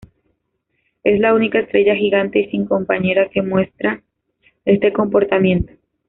Es la única estrella gigante y sin compañera que muestra este comportamiento.